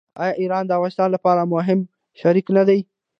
آیا ایران د افغانستان لپاره مهم شریک نه دی؟